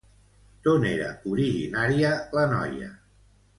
D'on era originària la noia?